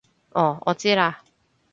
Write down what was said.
哦我知喇